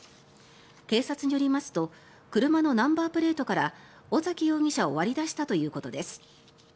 警察によりますと車のナンバープレートから尾崎容疑者を割り出したということです。